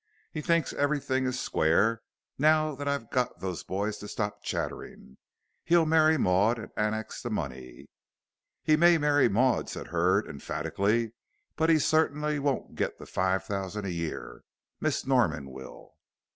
He thinks everything is square, now that I've got those boys to stop chattering. He'll marry Maud and annex the money." "He may marry Maud," said Hurd, emphatically, "but he certainly won't get the five thousand a year. Miss Norman will."